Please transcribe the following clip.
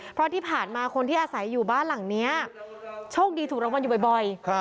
เพราะที่ผ่านมาคนที่อาศัยอยู่บ้านหลังนี้โชคดีถูกรางวัลอยู่บ่อย